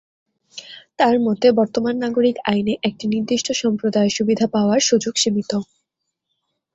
তাঁর মতে, বর্তমান নাগরিক আইনে একটি নির্দিষ্ট সম্প্রদায়ের সুবিধা পাওয়ার সুযোগ সীমিত।